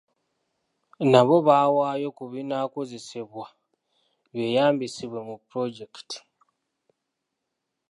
Nabo baawaayo ku binaakozesebwa byeyambisibwe mu pulojekiti.